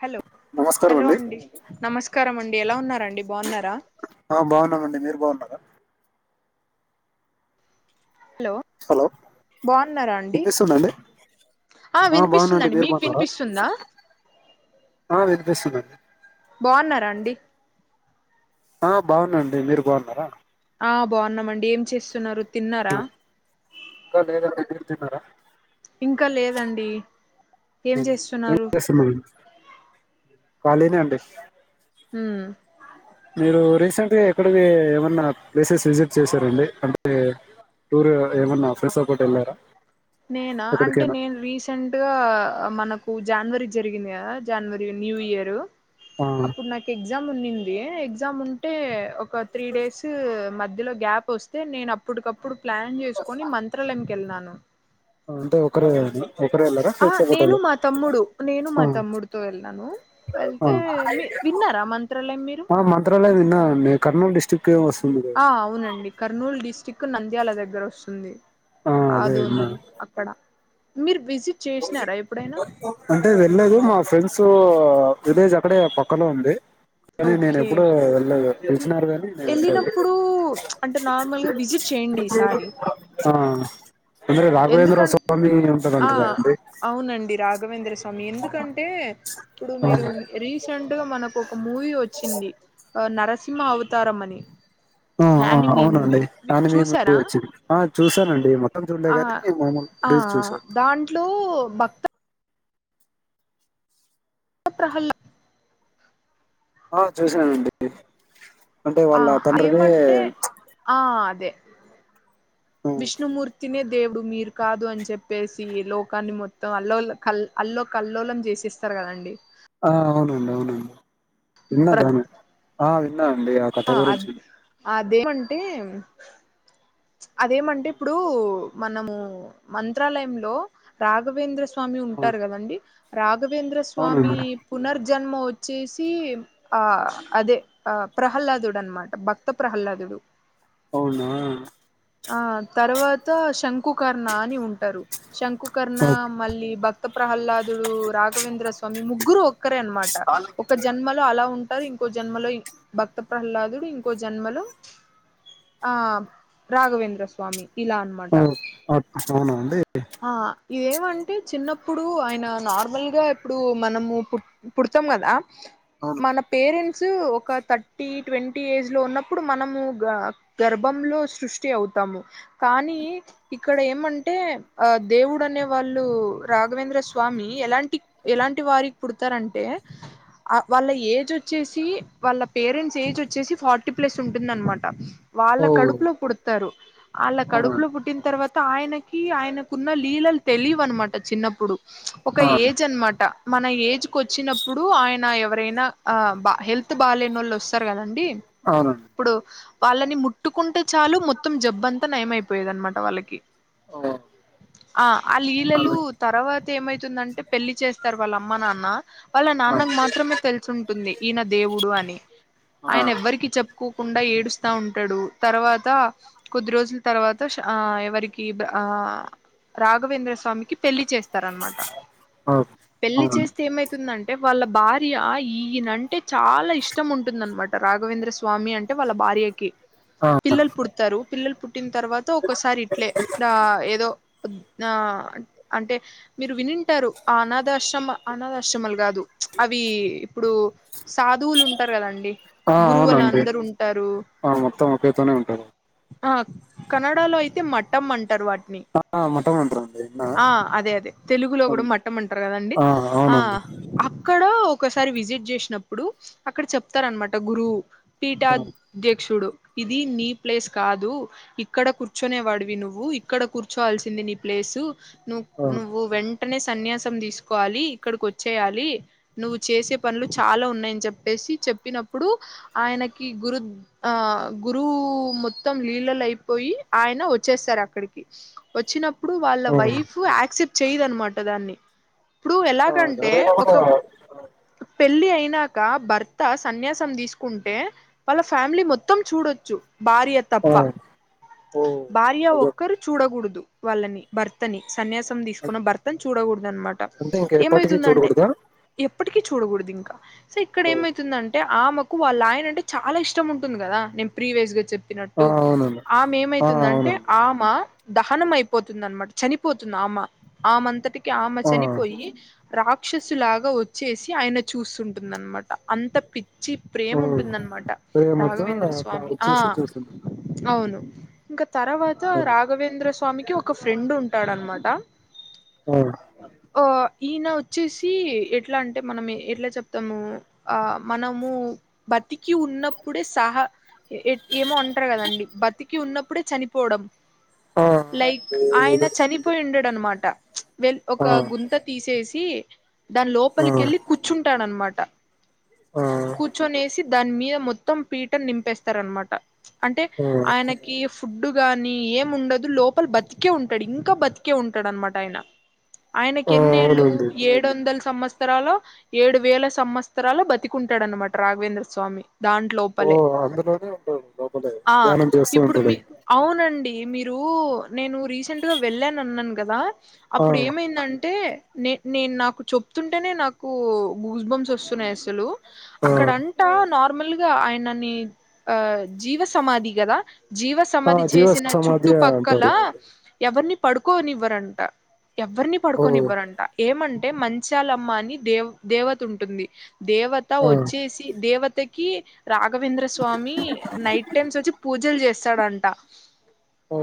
Hello hello అండి నమస్కారం అం ఎలా ఉన్నారండి బాగున్నారా ఆ బాన్నామండి మీరు బా హలో హలో బాగున్నారా అండి వినిపిస్తుందాండి ఆ బానండి వినిపిస్తుందండి మీరు మీకు బాన్నారా వినిపిస్తుందా ఆ వినిపిస్తుందం బాన్నారా అండి ఆ బాన్న అండి మీరు బాన్నారా ఆ బాన్నామండి ఏం చేస్తున్నారు తిన్నారా ఇంక లేదు [unintelligible] తిన్నారా ఇంకా లేదండి ఏం చేస్తున్నారు కాళీ నే అండి హ్మ్ మీరు రీసెంట్గా ఎక్కడికి ఏమన్నా ప్లేసెస్ విజిట్ చేసారండి అంటే టూర్ ఏమన్నా ఫ్రెండ్స్ తో పాటి వెళ్ళారా నేనా అంటే ఎక్కడికైనా నేను రీసెంట్గా మనకు జనవరి జరిగింది కదా జనవరి న్యూ ఇయరు ఆ అప్పుడు నాకు ఎగ్జామ్స్ ఉనింన్ ఎ ఎగ్జామ్ ఉంటే ఓ ఒక త్రీ డేసు మ ఇందులో గ్యాప్ వస్తే నేను అప్పడికప్పుడు ప్లాన్ చేసుకొని మంత్రాలాం వెళ్ళినాను అంటే ఒకరేనా ఆ నేను మా తమ్ముడు నేను ఆ మా తమ్ముడుతో వెళ్లాను ఆ వెళ్తే మీ విన్నారా మంత్రాలయం మీరు ఆ మంత్రాలయం విన్నా కర్నూలు డిస్టిక్ వస్తుంది కదా అవునండి కర్నూలు డిస్టిక్ నంద్యాల దగ్గర వస్తుంది. ఆ అదే ధోని విన్నా అక్కడ మీర్ అంటే వెళ్లేదు మా ఫ్రెండ్ సో విలేజ్ అక్కడే పక్కనో ఉంది కానీ నేను ఓకే ఎప్పుడు వెళ్ళదు పిలిచినారు కాని నేను వెళ్లలేదు వెళ్ళినప్పుడు అంటే నార్మల్గా విజిట్ చేయండి ఈసారి ఆ అంద్ర రాఘవేంద్ర ఎందుకం స్వామి ఆ ఉంటారంటగా అవునండి రాఘవేంద్ర స్వామి ఎందుకంటే ఇప్పుడు ఆ, మీరు రీసెంట్ గా మనకు ఒక మూవీ వచ్చింది నర సింహ అవతారమని ఆ అవునండి దాని మేము చూసారా వచ్చింది ఆ చూసానండి మొత్తం చూ ఆ ఆ దాంట్లో భక్త ప్రహల్లా ఆ చూశానండి అంటే ఆ వాళ్ళ తండ్రిని ఏమంటే ఆ అదే విష్ణు మూర్తినే దేవుడు మీరు కాదు అని చెప్పేసి లోకాన్ని మొత్తం అల్లోలు కల్ అల్లో కల్లోలం చేసేస్తారు కదండి ఆ అవునండి అవునండి ప్ర ఇన్నదానీ ఆ నా అండి ఆ కథ గురించి అదేమంటే అదేమంటే ఇప్పుడు మనము మంత్రాలయంలో రాఘవేంద్ర స్వా స్వామి ఆ, ఉంటారు కదండి రా రఘవేంద్ర స్వామి అవునండి పునర్ జన్మ వచ్చేసి ఆ అదే ఆ ప్రహ్లాదుడు అనమాట భక్త ప్రహ్లాదుడు అవునా ఆ తర్వాత శంకుకర్ణ అని ఉంటారు శంకుకర్ణ ఓ, మళ్ళీ భక్త ప్రహ్లాదుడు రాఘవేంద్ర స్వామి ముగ్గురు ఒక్కరే అనమాట ఒక జన్మలో అలా ఉన్ నారు ఇంకో జన్మలో ఈ భక్త ప్రహ్లాదుడు ఇంకో జన్మలో ఆ రాఘవేంద్ర స్వామి ఇలా అనమాట ఔ [inaudible] అవునా అండి ఆ ఇదేమంటే చిన్న ప్పుడు ఆయన నార్మల్ గా ఇప్పుడు మనము పుట్ పుడతాం కదా అవును మన పేరెంట్ సు ఒక థర్టీ ట్వంటీ ఏజ్ లో ఉన్నప్పుడు మనము గ గర్భంలో సృష్టి అవుతాము కానీ ఇక్కడ ఏమంటే ఆ దేవుడు అనే వాళ్ళు రాఘవేంద్ర స్వామి ఎలాంటి ఎలాంటి వారి పుడతారంటే ఆ వాళ్ళ ఏజ్ వచ్చేసి వాళ్ళ పేరెంట్స్ ఏజొచ్ చ్చేసి ఫార్టీ ప్లస్ ఉంటుంది అనమాట వాళ్ళ ఓ కడుపులో పుడతారు ఆళ్ళ అవునా కడుపులో పుట్టిన తర్వా తాయనకి ఆయన కున్న లీలలు తెలివనమాట చిన్నప్పుడు ఒక ఆ ఏజ్ అనమాట మన ఏజ్ కు వచ్చినప్పుడు ఆయన ఎవరైనా ఆ బా హెల్త్ బాలేనోళ్ళు వస్తారు కదండి అవునండి ఇప్పుడు వాళ్ళని ముట్టుకుంటే చాలు మొత్తం జబ్బంతా నయమైపోయేది అనమాట వాళ్ళకి ఓ ఆ ఆ లీలలు అదే తర్వాత ఏమైతుందంటే పెళ్ళి చేస్తారు వాళ్ళ అమ్మ నాన్న వాళ్ళ నాన్నకు మాత్రమే తెలిసుంటుంది ఈయన దేవుడు అని ఆ ఆయన ఆ ఎవ్వరికి చెప్పుకోకుండా ఏడు స్తా ఉంటాడు తర్వాత కొద్ది రోజుల తర్వాత ఆ ఎవరికి ఆ రాఘవేంద్ర స్వామికి పెళ్లి చేస్ తారనమాట ఓకే పెళ్లి అవునండి చేస్తే ఏమైతుందన్ టే వాళ్ళ భార్య ఈయనంటే చాలా ఇష్టం ఉంటుందనమాట రాఘవేంద్ర స్వామి అంటే వాళ్ళ భార్యకి ఆ పిల్లలు పుడతారు పిల్లలు ట్టిన తర్వాత ఒకసారి ఇట్లే ఆ ఏదో ఉద్ ఆ అంటే మీరు వినింటారు ఆ అనాథాశ్రమ అనాథాశ్రమాలు కాదు అవి ఇప్పుడు సాధువులు ఉంటారు కదండి ఆ గురువులు అవునండి అందరు ఉంటారు ఆ మొత్తం ఒకేతోనే ఉంటారు ఆ కనడలో అయితే మట్టం అంటారు వా ఆ ము ఆ అదే అదే తెలుగులో కూడా మఠం అంటారు కదండి ఆ ఆ అవునండి అక్కడొ ఒకసారి విజిట్ చేసినప్పుడు అక్కడ చెప్తారు అనమాట గురువు ఆ పీఠాధ్యక్షుడు ఇది నీ ప్లేస్ కాదు ఇక్కడ కూర్చొనే వాడివి నువ్వు ఇక్కడ కూర్చోవల్సి వుంది నీ ప్లేసు నువ్వ్ ఆ నువ్వు వెంట్ ఇక్కనే సన్యాసం తీసుకోవాలి ఇక్కడికి వచ్చేయాలి నువ్వు చేసే పనులు చాలా ఉన్నాయని చెప్పేసి చెప్పినప్పుడు ఆయనకి గురు ఆ గురువు మొత్తం లీలలు అయిపోయి ఆయన వచ్చేస్తారు అక్కడికి వచ్చినమ్ అప్పుడు వాళ్ళ ఓ వైఫ్ యాక్సెప్ట్ చేయదనమాట దాన్ని ఇప్పుడు ఆ ఎలాగంటే ఎవరైనా కూడా ఒక పెళ్ళి అయినాక భర్త సన్యాసం తీసుకుంటే వాళ్ళ ఫ్యామిలీ మొత్తం చూడొచ్చు భార్య ఆ తప్ప ఓ భార్య అదే ఒక్కరు చూడకూడదు వాళ్ళని భర్తని సన్యాసం తీసుకున్న అం- భర్తను చూడకూడదు అనమాట అంటే ఇంక ఎప్పటికీ ఏమవుతుంది అంటే చూడకూడదా ఎప్పటికి చూడకూడదు ఇంకా సో ఇక్కడ ఓ, ఏమైతుందంటే ఆమెకు వాళ్ళ ఆయన అంటే చాలా ఇష్టం ఉంటుంది కదా నేను ప్రీవేజ్ గా చెప్పి ఆ చెప్పినట్టు అవునండి ఆమె ఆ ఏమైతుందంటే అవునండి ఆమ దహనం అయ్ చనిపోతుంది అనమాట చనిపోతుంది ఆమ ఆమె అంతటి అంతటికీ ఆమె ఆ చనిపోయి రాక్షసి లాగా వచ్చేసి ఆయన చూస్తుంటుందనమాట అంత పిచ్చి వచ్చి ప్రేమ ఓ ఉంటుందనమాట ప్రేమతో రాఘవేంద్ర అట్లా స్వామి ఆ వచ్చేసి చూస్తుంది అవును ఇంకా తర్వాత ఆ రాఘవేంద్ర స్వా తామికొ ఒక ఫ్రెండ్ ఉంటాడు అనమాట అ ఆ ఈయన వచ్చేసి ఎట్లా అంటే మనం ఎట్లా చెప్తాము ఆ మనము బతికి ఉన్నప్పుడే సహా ఏమో అంటారు కదండి బతికి ఉన్నప్పుడే చనిపోవడం ఆ లైక్ ఆయన ఏదో చనిపోయిం డు అనమాట వె ఒక ఆ గుంత తీసేసి ఈ దాని ఆ లోపలికి వెళ్ళి కూర్చుంటాడ అన్నమా టా ఆ కుచో నేసి దాని మీద మొత్తం పీటని నింపేస్తార అనమాట అంటే ఆ ఆయనకి ఫుడ్ గాని ఏమి ఉండదు లోపల బతికి తికే ఉంటాడు ఇంకా బతికే ఉంటాడు అనమాట ఆయన ఆయనకి ఆ ఎన్నేళ్ళు అవునండి ఏడు వందలు సంవత్సరాలో ఏడు వేల సంవత్సరాలు బతికుంటాడన్నమాట రాఘవేంద్ర స్వామి దాంట్ ఓ లోపలే అందులోనే ఉంటాడు లోపలే ఆ ధ్యానం చేస్తూ ఇప్పుడు ఉంటాడు మీ అవునండి ఈ మీరు నేను రీసెంట్ గా వెళ్ళాను అన్నాను కదా ఆ అప్పుడు ఏమైందంటే నే నేను నాకు చెప్తుంటేనే నాకు గూస్ బంస్ వస్తున్నాయి అసలు ఆ అక్కడంటా నార్ నార్మల్ గా ఆయనని ఆ జీవ సమాధి కదా జీవ ఆ సమాధి జీవ చేసిన సమాధి చుట్టుపక్కల అంటారు ఎవరిని పడుకోనివ్వరంట ఎవ్వరిని ఓ పడుకొనివ్వరంట ఏమం అంటే మంచాలమ్మ అని దేవ దేవత ఉంటుంది దేవత ఆ వచ్చేసి దేవత తాకి రాఘవేంద్ర స్వామి నైట్ టైమ్స్ వచ్చి పూజలు చేస్త సడంట ఓ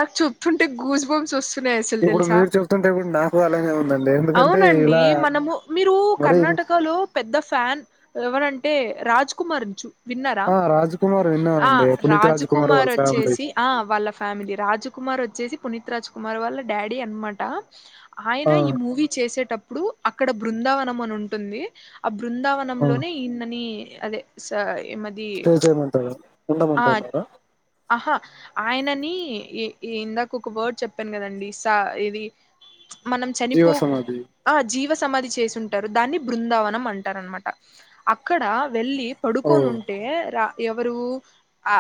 నాకు చుప్తుంటే గూజు బంమ్స్ వస్తు న్నాయి అసలు ఇప్పుడు తెలుసా మీరు చెప్తుంటే కూడా నాకు అలానే ఉందండి ఎందుకంటే అవునండి ఇలా మనము మీరు మరి కర్ణాటకలో పెద్ద ఫ్యాన్ ఎవరంటే రాజ్ కుమార్ చు విన్నారా ఆ రాజ్ కుమార్ ఆ విన్నానండి పునీత్ రాజ్ కుమార్ వాళ్ళ ఫ్యామిలీ వచ్చేసి ఆ వాళ్ళ ఫ్యామిలీ రాజ్ కుమార్ వచ్చేసి పునీత్ రాజ్ కుమార్ వాళ్ళ డాడీ అనమాట ఆ ఆయన ఈ మూవీ చేసేటప్పుడు అక్కడ బృందావనం అని ఉంటుంది. ఆ బ్ బృందావనంలోనే ఇన్ననీ అదే సాయ్ చేసేయ్ మంటారా ఆ ఉండమంటనారా ఆహా ఆయనని ఇందాక ఒక వర్డ్ చెప్పాను కదండి సా ఇది మనం జీవ చనిపో సమాధి ఆ జీవ సమాధి చేసి ఉంటరు. దాన్ని బృందావనం అంటారు. అనమాట అక్కడ వెళ్ళి ఓ పడుకోని ఉంటే రా ఎవరు ఆ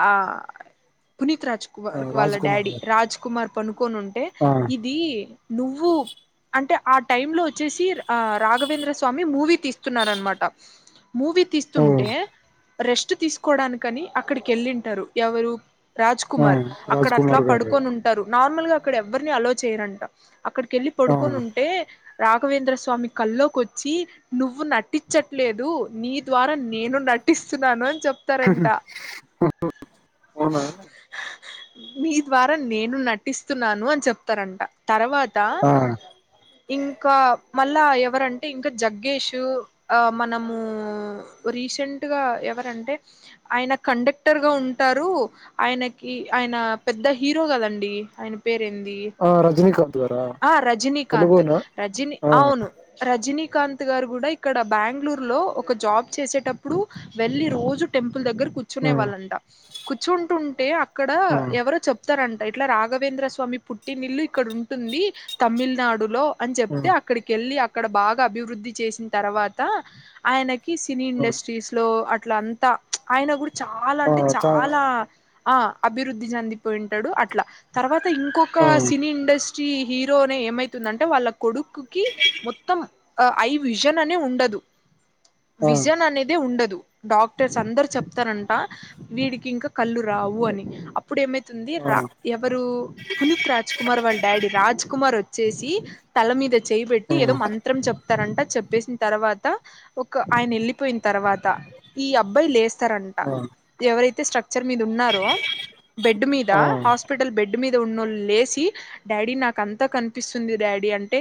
పునీత్ రాజ్ కుమార్ వాళ్ళ రాజ్ కుమార్ డాడీ గారు రాజ్ కుమార్ కొని ఉంటే ఆ ఇది నువ్వు అంటే ఆ టైమ్ లో వచ్చేసి ఆ రాఘవేంద్ర స్వామి మూవీ తీస్తున్నార అనమాట. మూవీ ఓ తీస్తుంటే రెస్ట్ తీసుకోవడానికని అక్కడికి వెళ్ళింటారు. ఎవరు రాజ్ ఆ కుమార్ అక్కడ రాజ్ అట్లా కుమార్ గారు పడుకొని ఉంటారు. నార్మల్ గా ఇక్కడ ఎవ్వరిని అలో చేయరన్ అక్కడికి వెళ్ళి ఆ పడుకొని ఉంటే రాఘవేంద్ర స్వామి కల్లోకి వచ్చి నువ్వు నటించట్లేదు. నీ ద్వారా నేను నటిస్తున్నాను అని చెప్తారంట ఉ ఉ అవునాండి మీ ద్వారా నేను నటిస్తున్నాను అని చెప్తారంట తర్వాత్ ట ఆ ఇంకా మళ్ళా ఎవరంటే ఇంకా జగ్గేష్ ఆ మనము రీసెంట్గా ఎవరంటే ఆయన కండక్టర్ గా ఉంటరు ఆయనకి ఆయన పెద్ద హీరో కదండి ఆయన పేరు ఏంది ఆ! రజనీకాంత్ గారా ఆ రజనీకాంత్ తెలుగునా రజిని ఆ అవును రజిని కాంత్ గారు కూడా ఇక్కడ బెంగళూరు లో ఒక జాబ్ చేసేటప్పుడు వెళ్ళి రోజు టెంపుల్ దగ్గర కూర్చునే ఆ వాళ్ళంట కూర్చుంటుంటే అక్కడ ఆ ఎవరో చెప్ అంట ఇట్లా రాఘవేంద్ర స్వామి పుట్టినిల్లు ఇక్కడ ఉన్ తుంది తమిళనాడులో అని ఆ చెప్తే అక్కడికి వెళ్ళి అ అక్కడ బాగా అభివృద్ధి చేసిన తర్వాత ఆయనక్ సినీ ఆ ఇండస్ట్రీస్ లో అట్ల అంతా ఆయన గురించి చాలా ఆ అంటే చా చాలా ఆ అభివృద్ధి చెందిపోయింటాడు అట్లా తర్వాత అ ఇంకొక ఆ సినీ ఇండస్ట్రీ హీరోనే ఏమైతుందంటే వాళ్ళ కొడుకు కుకి మొత్తం ఐ విజన్ అనే ఉండదు ఆ విజన్ అనేదే ఉండదు డాక్టర్స్ అందరు చెప్తారంట వీడికి ఇంకా కళ్ళు రావు అని ఇప్పుడు ఏమైతుంది ఆ రా ఎవరు పునీత్ రాజ్ కుమార్ వాళ్ళ డాడీ కుమార్ వచ్చేసి తల మీీద చేయ పెట్టి ఆ ఏదో మంత్రం చెప్ప రంట చెప్పేసిన తర్వాత ఒక ఆయన వెళ్ళిపోయిన తర్వాత ఈ అబ్బాయి లేస్త ారంట ఆ ఎవరైతే తె స్టక్ హచ్చర్ మీద ఉన్నారు బెడ్ మీద ఆ హాస్పిటల్ బెడ్ మీద ఉన్నోళ్ళు లేసి డాడీ నాక అంతా కనిపిస్తుంది డాడీ అంటే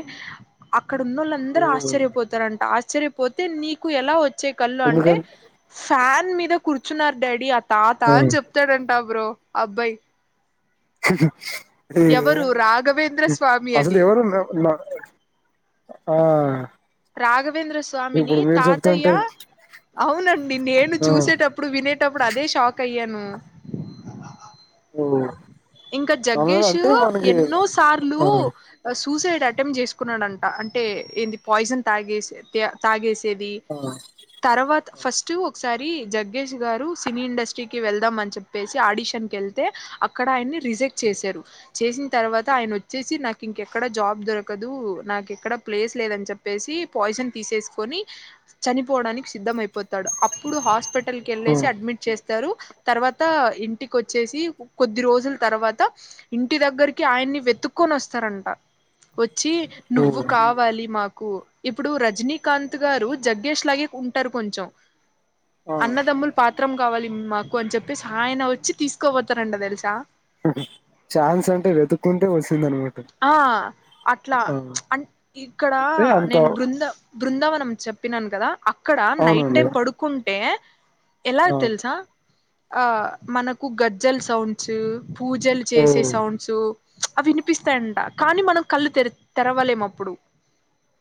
అక్కడ ఉన్నళ్ళందూ ఓ ఆశ్చర్యతారంట ఆశ్చరిపోతే నీకు ఎలా వచ్చే కళ్ళు అంటే ఎందుకన్ ఫ్యాన్ మీద కూర్చున్నారు డాడీ అ తా తా ఆ అని చెప్తాడున్ టా బ్రో ఆ అబ్బాయి ఏ ఏ ఎవరు రాఘవేంద్ర స్వామి అసలు అది ఎవరు ఆ రాఘవేంద్ర స్వామిని ఇప్పుడు మీరు చెప్తుంటే తాతయ్య అవునండి నేను ఆ చూసేటప్పుడు వినేటప్పుడు అదే షాక్ అయ్యాను ఉమ్ ఆ ఇంకా జగ్గేష్ ఎన్నో సార్లు ఆ సూసైడ్ అటెంప్ట్ చేసుకున్నాడంట అంటే ఏంది పాయి్జన్ తాగేస తాగేసి ది ఆ తర్వాత ఫస్ట్ ఒకసారి జగ్గేష్ గారు సినీ ఇండస్ట్రీకి వెళ్దాం అని చెప్పేసి ఆడిషన్ కీ వెళ్తే అక్కడ అక్కడ ఆయన్ని రిజెక్ట్ చేశారు చేసిన తర్వాత ఆయన వచ్చేసి నాకు ఇంకెక్కడ జాబ్ దొరకదు నాకుెక్కడ ప్లేస్ లేదని చెప్పేసి పాయిజన్ తీసేసుకొని చనిపోవడానికి సిద్ధమైపోతాడు అప్పుడు హాస్ హాపిటల్కి ఓ వెళ్ళసి అడ్మిట్ చేస్త స్తారు తర్వాత ఇంటికి వచ్చేసి కొద్ది రోజుల తర్వాత ఇంటి దగ్గరికి ఆయన్ని వెతుక్కకొని వస్తారంట వ వచ్చి ఓ నువ్వు కావాలి మాకు కు ఇప్పుడు రజనీకాంత్ గారు జగ్గేష్ లాగే ఉంటారు కొంచెం ఆ అన్నదమ్ముల్ పాత్రం కావాలి మాకు అని చెప్పేసి ఆయన వచ్చి తీసుకోపోతారు రాంట తెలిసా ఛాన్స్ అంటే వెతుక్కుంటే వస్ ఆ అట్లా ఆ అ ఇక్కడ అంటే అంత నేను బృంద బృందావనం చెప్పినాను కదా ఆక్కడ నైట్ అవునండి టైం పడుకుంటే ఎలా ఆ తెలుసా ఆ మనకు గజ్జల్ సౌండ్స్ పూజలు చేసే ఓ సౌండ్స్ అవి పిస్తాయంట కానీ మనం కళ్ళు తె తెరవలేము అప్పుడు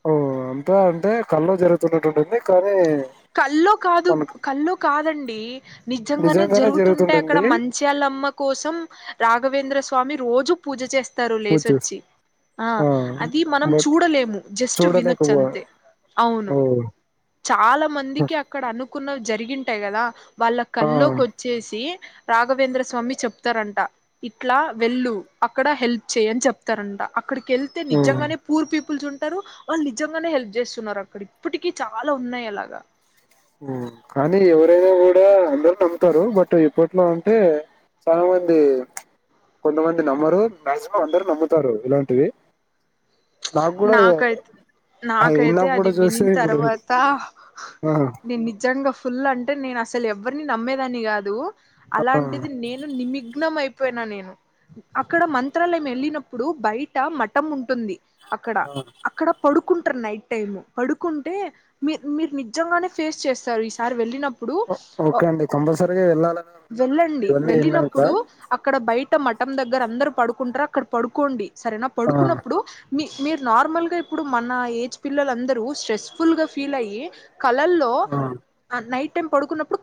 ఓ అంతా అంటే కళ్ళ జరుగుతున్నట్టు ఉంటుంది కానీ కల్లో కాదు మనకు కల్లో కాదండి నిజంగానే జరుగుతుంటే అక్కడ మంచాలమ్మ కోసం రా ఘవేంద్ర స్వామి రోజు పూజ చేస్ స్తారు లేసి పూచు వచ్చి ఆ అది మనం బట్ చూడలేము జస్ట్ వినొచ్చు చూడలేకపో అంతే అవును ఓహ్! చాలా నిజానికి అక్కడ అను కున్న జరిగింటాయి కదా వాళ్ళ ఆ! కల్లోకి వచ్చేసి రాఘవేంద్ర స్వామి చెప్తారంట ఇట్లా వెళ్ళు అక్కడ హెల్ప్ చెయ్యని చెప్తారంట ఇక్కడికిెళ్తే హ్మ్. నిజంగానే పూర్ పీపుల్స్ ఉంట వాళ్ళు నిజంగానే హెల్ప్ చేస్తున్నారు అక్కడ ఇప్పటికీ చాలా ఉన్నాయి అలాగా కానీ ఎవరైనా కూడా అందరుూ నమ్ముతారు బట్ ఇప్పట్లో అంటే చాలా మంది కొంతమంది నమ్మరు మ్యాక్సిమం అందరు నమ్ముతారు ఇలాంటివి నాకు గూడా నాకైతే ఆహ్, నాకైతే ఇన్నాక అది గూడా విని చూసి ఇప్పుడు తర్వాత ఆ! నేను నిజంగాగా ఫుల్ అంటే నేను అసలు ఎవరిని నమ్మేదాని గాదు ఆ! అలాంటిది నేను నిమిగ్నం అయిపో పోయినా నేను అక్కడ మంత్రాలయం వెళ్ళినప్పుడు బయట మఠం ఉంటుంది అక్కడ ఆ. అక్కడ పడుకు కుంట్రు నైట్ టైమ్ పడుకుంటే మీ మీరు నిజంగానే ఫేస్ చేస్తారు ఈసారి వెళ్ళినప్పుడు. ఓ ఓకే అండి కంపల్సరిగా ఎళ్ళల్ వెళ్ళండి వెళ్ళినప్పుడు అక్కడ బయ ఇట్ట మఠం దగ్గర అందరు పడుకుంట్ర్ అక్కడ పడుకోండి. సరేనా ఆ! పడుకున్నప్పుడు. మీ మీరు నార్మల్గా ఇప్పుడు మన ఏజ్ పిల్లలందరూ స్ట్రెస్ ఫుల్ గా ఫీల్ అయ్యి. కలల్లో ఆ! నైట్ టైమ్ పడుకున్నప్పుడు